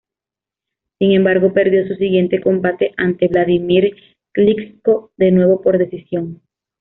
Sin embargo, perdió su siguiente combate ante Wladimir Klitschko, de nuevo por decisión.